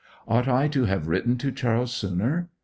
Ought I to have written to Charles sooner?